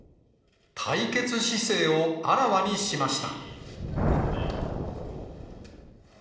対決姿勢をあらわにしました。